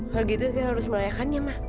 hal gitu kita harus melayakannya ma